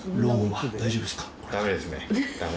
ダメですねダメ。